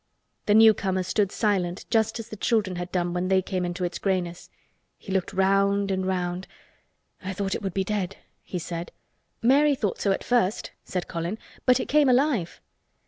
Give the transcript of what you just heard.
The newcomer stood silent just as the children had done when they came into its grayness. He looked round and round. "I thought it would be dead," he said. "Mary thought so at first," said Colin. "But it came alive."